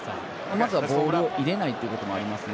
まずはボールを入れないっていうこともありますね。